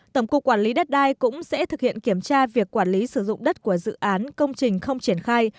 tổng cục quản lý đất đai cũng sẽ thực hiện kiểm tra việc quản lý sử dụng đất của dự án công trình không triển khai